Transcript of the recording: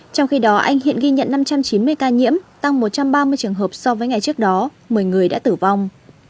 trong khi đó anh hiện ghi nhận năm trăm chín mươi ca nhiễm tăng một trăm ba mươi trường hợp so với ngày trước đó một mươi người đã tử vong